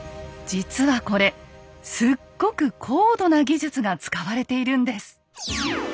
実はこれすっごく高度な技術が使われているんです。